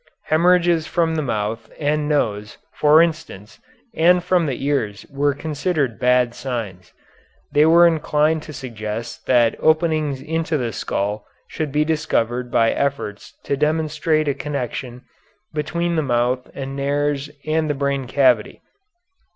Hemorrhages from the mouth and nose, for instance, and from the ears were considered bad signs. They were inclined to suggest that openings into the skull should be discovered by efforts to demonstrate a connection between the mouth and nares and the brain cavity.